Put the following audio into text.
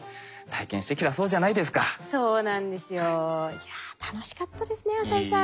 いや楽しかったですね浅井さん。